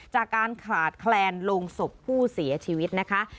จากการขาดแคลนลงศพผู้เสียชีวิตนะคะ